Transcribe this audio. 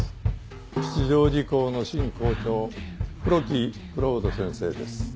吉祥寺校の新校長黒木蔵人先生です。